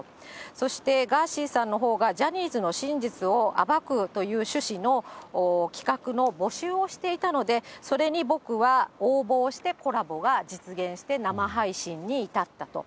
そしてガーシーさんのほうがジャニーズの真実を暴くという趣旨の企画の募集をしていたので、それに僕は応募をして、コラボが実現して、生配信に至ったと。